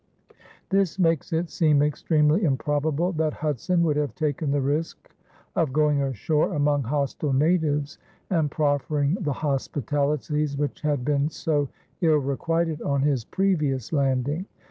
This makes it seem extremely improbable that Hudson would have taken the risk of going ashore among hostile natives and proffering the hospitalities which had been so ill requited on his previous landing.